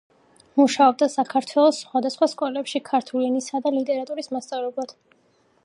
მუშაობდა საქართველოს სხვადასხვა სკოლებში, ქართული ენისა და ლიტერატურის მასწავლებლად.